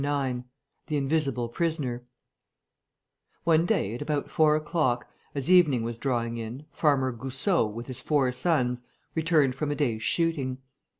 IX THE INVISIBLE PRISONER One day, at about four o'clock, as evening was drawing in, Farmer Goussot, with his four sons, returned from a day's shooting.